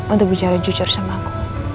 untuk bicara jujur sama aku